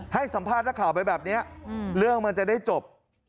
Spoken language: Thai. ให้สัมภาษณ์นักข่าวไปแบบนี้เรื่องมันจะได้จบ